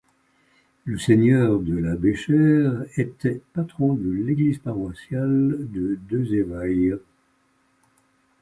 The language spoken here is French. Le seigneur de la Béchère était patron de l'église paroissiale de Deux-Evailles.